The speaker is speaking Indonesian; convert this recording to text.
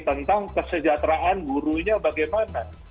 tentang kesejahteraan gurunya bagaimana